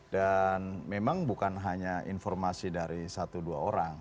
dan memang bukan hanya informasi dari satu dua orang